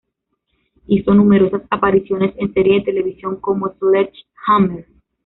Hizo numerosas apariciones en series de televisión como "Sledge Hammer!